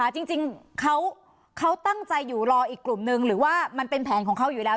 จริงเขาตั้งใจอยู่รออีกกลุ่มนึงหรือว่ามันเป็นแผนของเขาอยู่แล้ว